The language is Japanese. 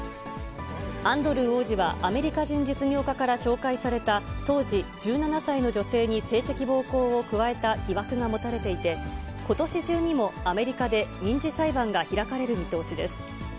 アンドルー王子は、アメリカ人実業家から紹介された当時１７歳の女性に性的暴行を加えた疑惑が持たれていて、ことし中にもアメリカで民事裁判が開かれる見通しです。